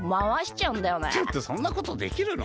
ちょっとそんなことできるの？